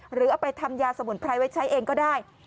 หรือเอาไปทำยาสมุนไพรไว้ใช้เองก็ได้